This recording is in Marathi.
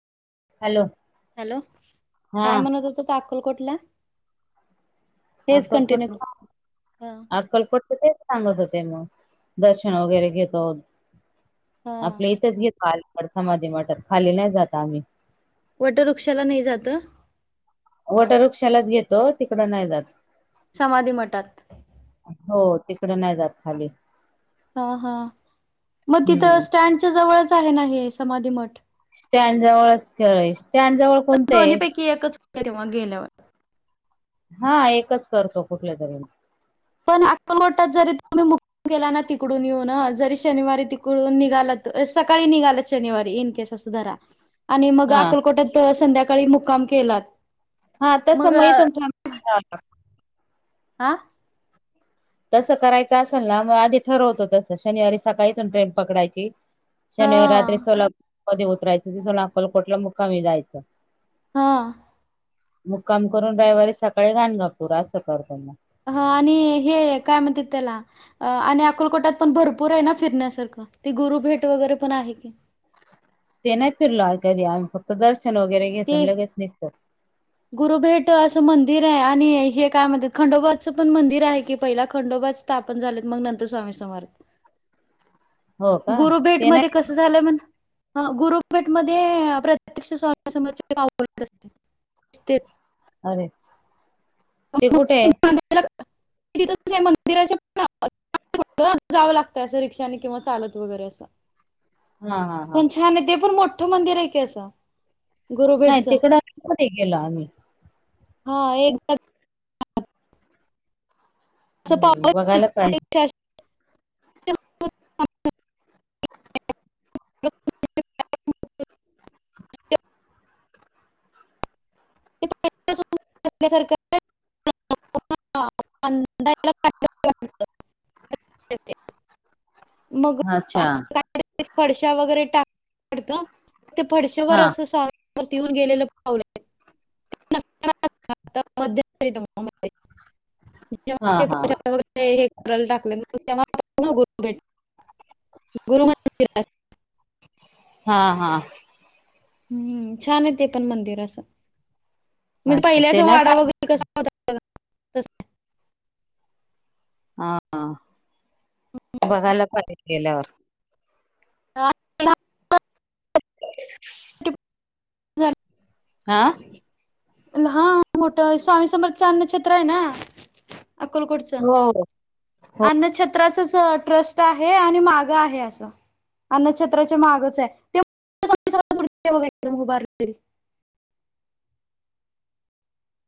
हॅलो. हॅलो, हा काय म्हणत होतात अक्कलकोटला? तेच कंटिन्यू हा. कालपटत ते सांगत होते मग दर्शन वगैरे घेतो आपलं इथेच घेतो आल समाधी मटात खाली नाही जात आम्ही. वटवृक्षाला नाही जात? वट वृक्षालाच घेतो तिकड नाही जात. समाधी मठात? हो तिकडे नाही जात खाली. हा हा मग तिथं हम्म स्टँडच्या जवळच आहे ना मग हे समाधी मठ. स्टँडजवळच खेळ आहे, स्टँडजवळ कोणतं आहे? कि एकच [unintelligible] तेव्हा गेल्यावर. हा एकच करतो कुठल्या तरी मग. पण अक्कलवटात जरी तुम्ही मु गेला ना तिकडून येऊन जरी शनिवारी तिकडून निघालत सकाळी निघाल शनिवारी इन केस अस जरा आणि मग हा अकलकोटत संध्याकाळी मुक्काम केलात. हा तस मग मय तून ठ [unintelligible] हा. तसं करायचं असेल ना मग आधी ठरवतो तस शनिवारी सकाळी इथून ट्रेन पकडायची. शनिवारी रात्री हा सोलापूमध्ये उतरायचं तिथून अक्कलकोटला मुकामी जायच. हा. मुक्काम करून रविवारी सकाळी घाणगा पुरा असं करतो मग. ह आणि हे काय म्हणतेत त्याला आणि अकुलकोटात पण भरपूर आहे ना फिरण्यासारखं ती गुरु भेट वगैरे पण आहे की. ते नाही फिरलं कधी आम्ही फक्त दर्शन वगैरे घेतो ते लगेच निघतो. गुरुभेट असं मंदिर आहे आणि हे काय म्हणतात खंडोबाचं पण मंदिर आहे की पहिला खंडोबाच त झालेत मग नंतर स्वामी हो [unintelligible] का गुरुभेट ते मध्ये नाही कसं झालंय [unintelligible] हं गुरुभेटमध्ये प्रत्यक्ष स्वामी [unintelligible] अरे ते कुठे आहे? [unintelligible] जावं लागतय, असं रिक्षाने किंवा चालत वगैरे असं हा हा हा पण छान ते पण मोठं मंदिर आहे की असं नाही गुरुभेटचं तिकड [unintelligible] गेलो आम्ही हा एकदा हम्म बघायला पाहिजे [unintelligible] [unintelligible] [unintelligible] [unintelligible] [unintelligible] [unintelligible] मग अच्छा पडश्या वैगेरे टाक हा [unintelligible] [unintelligible] [unintelligible] ते हा हा हे करायला टाकले तेव्हा गुरु भेट [unintelligible] गुरु [unintelligible] हं हं हम्म छान आहे ते पण मंदिर असं म्हणजे अच्छा ते पहिल्याचा नाही वडा पाहिजे वगैरे कसा होता हा बघायला पाहि गेल्यावर [unintelligible] हं हा मोठं स्वामी समर्थच अन्न क्षेत्र आहे ना अक्कलकोट चं हो, हो. अन्नछत त्राचं ट्रस्ट आहे आणि माग आहे असं अनक्षत्राचे माहागच आहे [unintelligible]